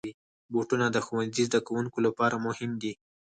بوټونه د ښوونځي زدهکوونکو لپاره مهم دي.